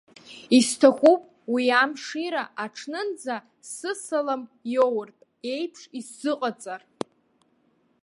Исҭахуп уи имшира аҽнынӡа сысалам иоуртә еиԥш исзыҟаҵар.